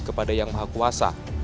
kepada yang maha kuasa